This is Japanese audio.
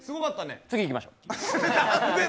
次いきましょう。